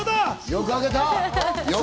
よくあげたよ！